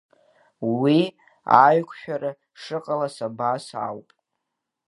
Уи аиқәшәара шыҟалаз абас ауп…